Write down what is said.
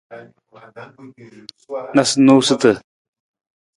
Noosunoosutu.